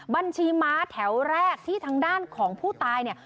บัญชีม้าแถวแรกที่ทางด้านของผู้ตายเนี่ย